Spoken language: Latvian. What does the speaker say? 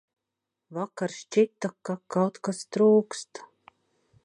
Vakar šķita, ka kaut kas trūkst.